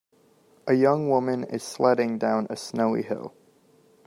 A young woman is sledding down a snowy hill.